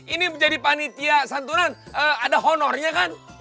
ini menjadi panitia santunan ada honornya kan